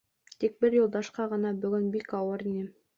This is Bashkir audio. Тик бер Юлдашҡа ғына бөгөн бик ауыр ине.